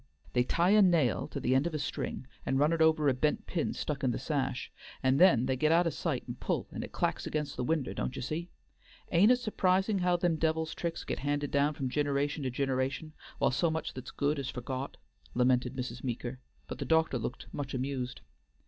"They tie a nail to the end of a string, and run it over a bent pin stuck in the sash, and then they get out o' sight and pull, and it clacks against the winder, don't ye see? Ain't it surprisin' how them devil's tricks gets handed down from gineration to gineration, while so much that's good is forgot," lamented Mrs. Meeker, but the doctor looked much amused.